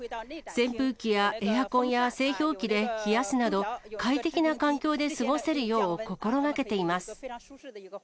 扇風機やエアコンや製氷機で冷やすなど、快適な環境で過ごせるよう心がけています。